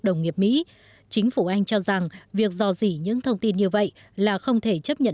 đồng nghiệp mỹ chính phủ anh cho rằng việc dò dỉ những thông tin như vậy là không thể chấp nhận